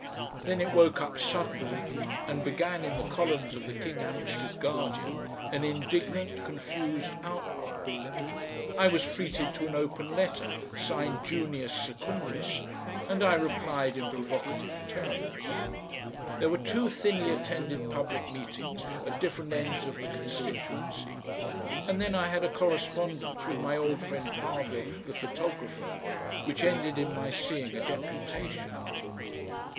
Then it woke up suddenly, and began, in the columns of the KINGSHAMPSTEAD GUARDIAN, an indignant, confused outcry. I was treated to an open letter, signed "Junius Secundus," and I replied in provocative terms. There were two thinly attended public meetings at different ends of the constituency, and then I had a correspondence with my old friend Parvill, the photographer, which ended in my seeing a deputation.